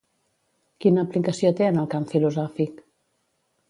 Quina aplicació té en el camp filosòfic?